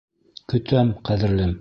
Көтәм, ҡәҙерлем...